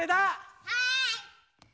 はい！